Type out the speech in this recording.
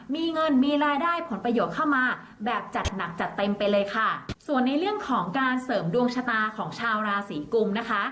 มีเงินมีรายได้ผลประโยชน์เข้ามาแบบจัดหนักจัดเต็มไปเลยค่ะส่วนในเรื่องของการเสริมดวงชะตาของชาวราศีกุมนะคะ